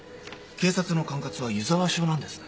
警察の管轄は湯沢署なんですね。